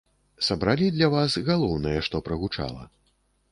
Сабралі для вас галоўнае, што прагучала.